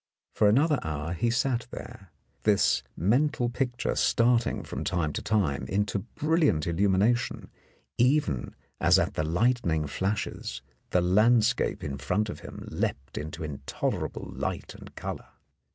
For another hour he sat there, this mental picture starting from time to time into brilliant illumination, even as at the lightning flashes the landscape in front of him leaped into intolerable light and colour.